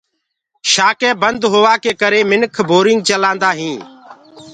شآکينٚ بند هوآ ڪي ڪري منک بورينگ چلآندآ هينٚ۔